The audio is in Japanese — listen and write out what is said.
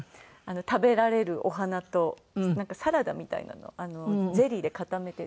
食べられるお花とサラダみたいなのをゼリーで固めて。